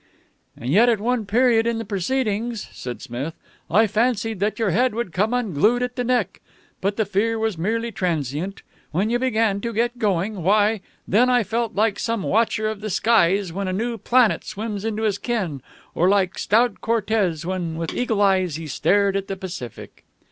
"And yet at one period in the proceedings," said Smith, "I fancied that your head would come unglued at the neck. But the fear was merely transient. When you began to get going, why, then I felt like some watcher of the skies when a new planet swims into his ken, or like stout Cortez when with eagle eyes he stared at the Pacific."